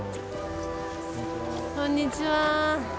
こんにちは。